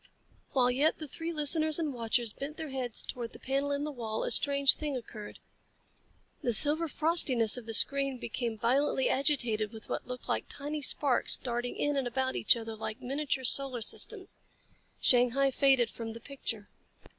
While yet the three listeners and watchers bent their heads toward the panel in the wall, a strange thing occurred. The silver frostiness of the screen became violently agitated with what looked like tiny sparks darting in and about each other like miniature solar systems. Shanghai faded from the picture.